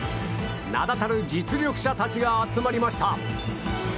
名だたる実力者たちが集まりました。